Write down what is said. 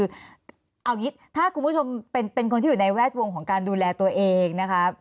คืออย่างนี้ถ้าคุณผู้ชมเป็นคนที่อยู่ในแวดวงของการดูแลตัวเองนะคะ